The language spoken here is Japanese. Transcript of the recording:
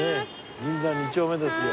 銀座２丁目ですよ。